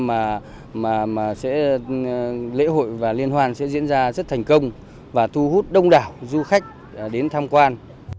mà sẽ lễ hội và liên hoan sẽ diễn ra rất thành công và thu hút đông đảo du khách đến tham quan